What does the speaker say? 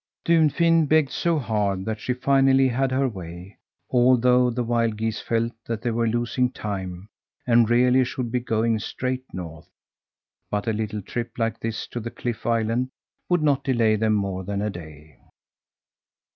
Dunfin begged so hard that she finally had her way, although the wild geese felt that they were losing time and really should be going straight north. But a little trip like this to the cliff island would not delay them more than a day.